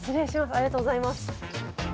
ありがとうございます。